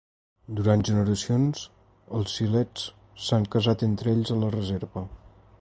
Durant generacions, els siletz s'han casat entre ells a la reserva.